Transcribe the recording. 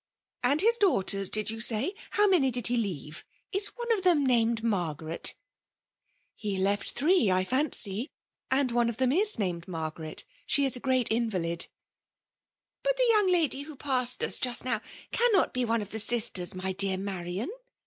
" And his daughters^ did you say ? How many did he leave ? Is one of them named Margaret ?"'' He left three, I fiemcy ; and one of them t> named Margaret. She is a ^eat invalid." *' But the young lady who passed us just now^ cannot be one of the sisters, my dear Marian?"